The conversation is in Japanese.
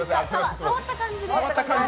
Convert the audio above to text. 触った感じで。